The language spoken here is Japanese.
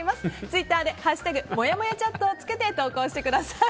ツイッターで「＃もやもやチャット」をつけて投稿してください。